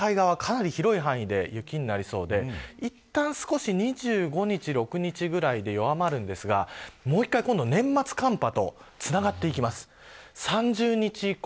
日本海側、かなり広い範囲で雪になりそうでいったん少し２５日、２６日ぐらいで弱まるんですがもう一回、今度は年末寒波とつながってきます。